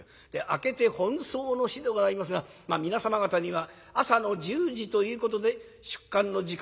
「明けて本葬の日でございますが皆様方には朝の１０時ということで出棺の時間をお知らせしたいと存じ」。